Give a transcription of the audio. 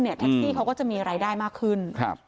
แท็กซี่เขาก็จะมีรายได้มากขึ้น